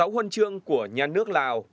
sáu huân trường của nhà nước lào